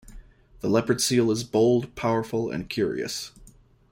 The leopard seal is bold, powerful and curious.